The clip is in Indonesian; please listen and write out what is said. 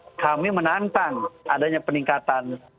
karena kami menantang adanya peningkatan